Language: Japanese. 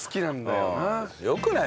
よくない？